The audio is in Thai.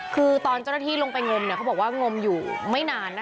คือตอนเจ้าหน้าที่ลงไปงมเขาบอกว่างมอยู่ไม่นานนะ